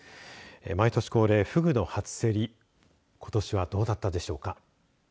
毎年恒例、フグの初競りことしはどうだったでしょうか。